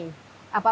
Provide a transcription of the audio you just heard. untuk lebih memahami